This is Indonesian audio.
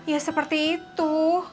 ya seperti itu